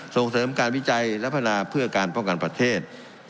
ส่งเสริมการวิจัยและพัฒนาเพื่อการป้องกันประเทศ